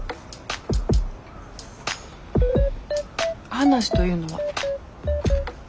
話というのは？